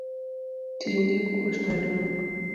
Tiendi okuot maduong.